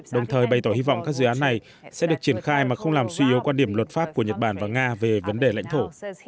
đồng thời bày tỏ hy vọng các dự án này sẽ được triển khai mà không làm suy yếu quan điểm luật pháp của nhật bản và nga về vấn đề lãnh thổ